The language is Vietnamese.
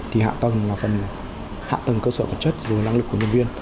thì hạ tầng là phần hạ tầng cơ sở vật chất rồi năng lực của nhân viên